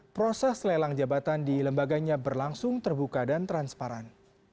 proses lelang jabatan di lembaganya berlangsung terbuka dan transparan